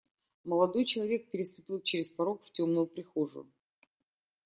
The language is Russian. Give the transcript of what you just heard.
Молодой человек переступил через порог в темную прихожую.